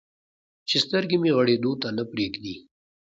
چې سترګې مې غړېدو ته نه پرېږدي.